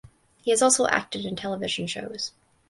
He has also acted in television shows.